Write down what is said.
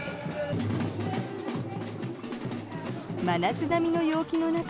真夏並みの陽気の中